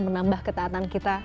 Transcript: menambah ketaatan kita